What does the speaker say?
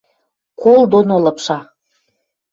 Кол доно лыпша!